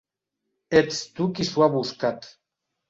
Ets tu qui s'ho ha buscat.